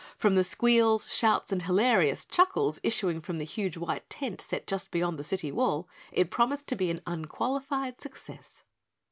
From the squeals, shouts, and hilarious chuckles issuing from the huge white tent set just beyond the city wall, it promised to be an unqualified success.